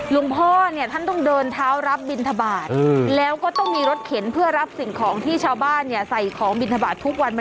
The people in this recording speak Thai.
หลวงพ่อเนี่ยท่านต้องเดินเท้ารับบินทบาทแล้วก็ต้องมีรถเข็นเพื่อรับสิ่งของที่ชาวบ้านเนี่ยใส่ของบินทบาททุกวัน